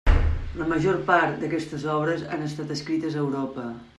La major part d'aquestes obres han estat escrites a Europa.